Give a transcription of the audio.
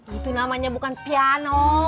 itu namanya bukan piano